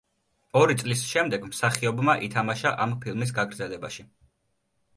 ორი წლის შემდეგ მსახიობმა ითამაშა ამ ფილმის გაგრძელებაში.